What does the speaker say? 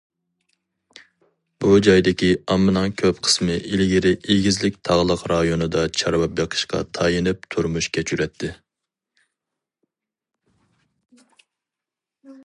بۇ جايدىكى ئاممىنىڭ كۆپ قىسمى ئىلگىرى ئېگىزلىك تاغلىق رايونىدا چارۋا بېقىشقا تايىنىپ تۇرمۇش كەچۈرەتتى.